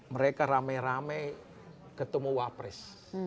mereka rame rame ketemu wapres